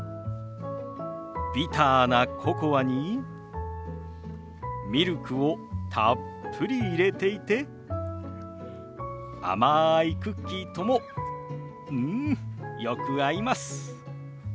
ビターなココアにミルクをたっぷり入れていて甘いクッキーともうんよく合います。